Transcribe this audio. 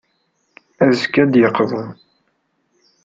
Azekka, ad d-yeqḍu.